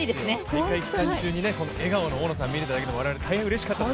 大会期間中に笑顔の大野さんを見られたのが我々、大変うれしかったです。